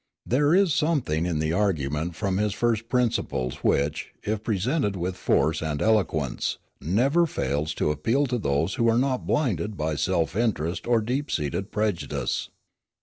There is something in the argument from first principles which, if presented with force and eloquence, never fails to appeal to those who are not blinded by self interest or deep seated prejudice.